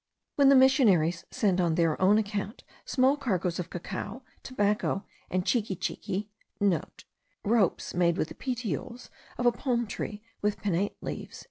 When the missionaries send on their own account small cargoes of cacao, tobacco, and chiquichiqui* (* Ropes made with the petioles of a palm tree with pinnate leaves.)